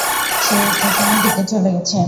সে স্টেশনের দিকে চলে গেছে।